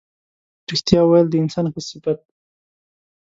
رښتیا ویل د انسان ښه صفت دی.